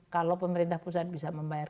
kalau pemerintah pusat bisa membayar